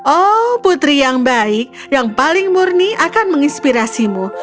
oh putri yang baik yang paling murni akan menginspirasimu